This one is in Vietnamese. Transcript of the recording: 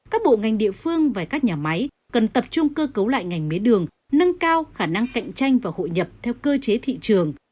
các nhà máy cần tập trung cơ cấu lại ngành mía đường nâng cao khả năng cạnh tranh và hội nhập theo cơ chế thị trường